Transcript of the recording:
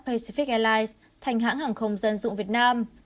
pacific airlines thành hãng hàng không dân dụng việt nam